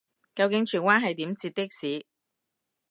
究竟荃灣係點截的士